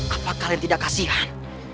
apa kalian tidak kasihan